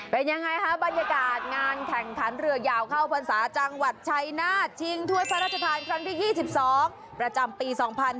เป็นยังไงคะบรรยากาศงานแข่งขันเรือยาวเข้าพรรษาจังหวัดชัยนาธิ์ชิงถ้วยพระราชทานครั้งที่๒๒ประจำปี๒๕๕๙